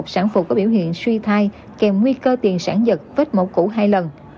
sản phụ có biểu hiện suy thai kèm nguy cơ tiền sản vật vết mẫu cũ hai lần